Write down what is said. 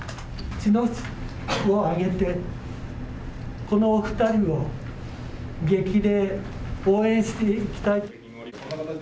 茅野市をあげてこの２人を激励、応援していきたい。